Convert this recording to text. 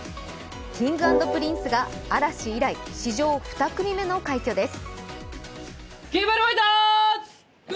Ｋｉｎｇ＆Ｐｒｉｎｃｅが嵐以来、史上２組目の快挙です。